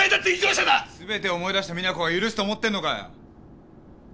すべてを思い出した実那子が許すと思ってんのかよ！？